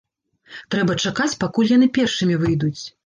Трэба чакаць, пакуль яны першымі выйдуць.